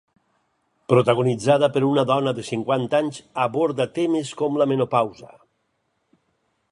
Protagonitzada per una dona de cinquanta anys, aborda temes com la menopausa.